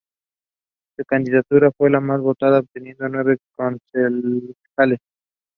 Newcomen street needed massive repairs before the baths could be built.